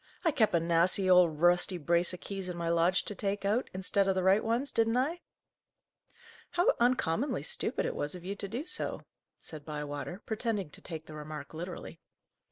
"I kep' a nasty old, rusty brace o' keys in my lodge to take out, instead o' the right ones, didn't I?" "How uncommonly stupid it was of you to do so!" said Bywater, pretending to take the remark literally.